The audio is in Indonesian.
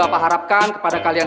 apa arma tidak harapin